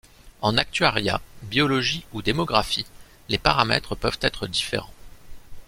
En actuariat, biologie ou démographie, les paramètres peuvent être différents.